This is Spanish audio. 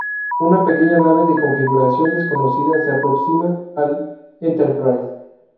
Una pequeña nave de configuración desconocida se aproxima al "Enterprise".